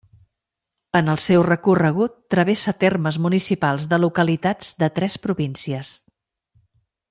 En el seu recorregut, travessa termes municipals de localitats de tres províncies.